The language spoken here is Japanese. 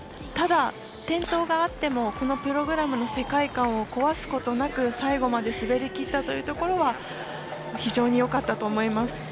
ただ、転倒があってもこのプログラムの世界観を壊すことなく最後まで滑りたきったというところは非常によかったと思います。